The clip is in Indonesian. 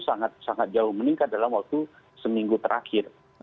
sangat sangat jauh meningkat dalam waktu seminggu terakhir